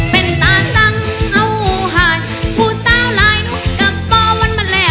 เป็นตาตั้งเอาหายผู้สาวลายหนูกลับบ่มันแหลกเฟสรายการ